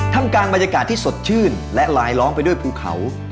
ทำกลางบรรยากาศที่สดชื่นและลายล้อมไปด้วยภูเขา